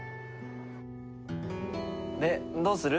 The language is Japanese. でどうする？